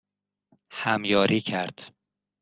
همیاری کرد